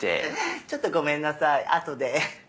ちょっとごめんなさいあとで。